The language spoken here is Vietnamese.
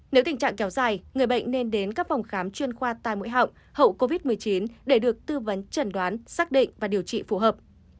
nếu tình trạng kéo dài người bệnh nên đến các phòng khám chuyên khoa tai mũi họng hậu covid một mươi chín để được tư vấn trần đoán xác định và điều trị phù hợp